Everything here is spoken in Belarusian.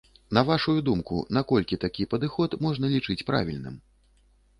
На вашую думку, наколькі такі падыход можна лічыць правільным?